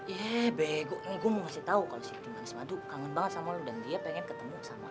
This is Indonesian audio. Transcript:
ye bego nih gue mau ngasih tau kalo si dimanis madu kangen banget sama lo dan dia pengen ketemu sama lo